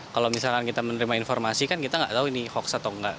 kalau misalkan kita menerima informasi kan kita nggak tahu ini hoax atau enggak